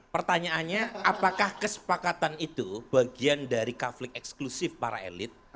pertanyaannya apakah kesepakatan itu bagian dari kaflik eksklusif para elit